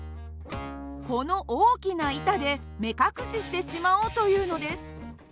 この大きな板で目隠ししてしまおうというのです。